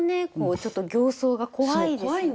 ちょっと形相が怖いですよね。